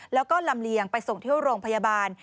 แล้วก็ลำเลียงไปส่งที่โรงพยาบาล